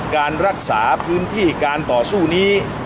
การรักษาพื้นที่การต่อสู้นี้